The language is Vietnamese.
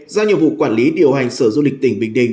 giao nhiệm vụ quản lý điều hành sở du lịch tỉnh bình định